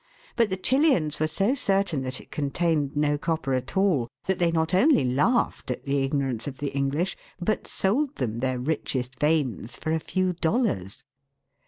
But the Chileans were so certain that it contained no copper at all, that they not only laughed at the ignorance of the English, but sold them their richest veins for a few dollars.